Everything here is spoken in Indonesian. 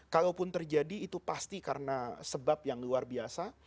kalaupun terjadi itu pasti karena sebab yang luar biasa